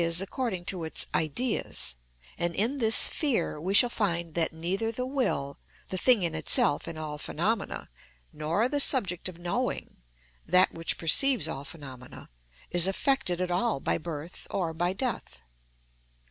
_, according to its Ideas, and in this sphere we shall find that neither the will, the thing in itself in all phenomena, nor the subject of knowing, that which perceives all phenomena, is affected at all by birth or by death.